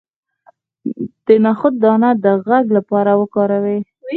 د نخود دانه د غږ لپاره وکاروئ